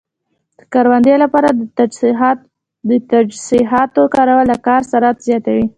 د کروندې لپاره د تجهیزاتو کارول د کار سرعت زیاتوي.